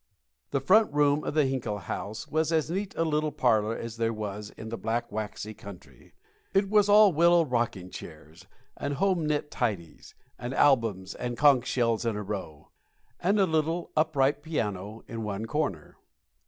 The front room of the Hinkle House was as neat a little parlor as there was in the black waxy country. It was all willow rocking chairs, and home knit tidies, and albums, and conch shells in a row. And a little upright piano in one corner.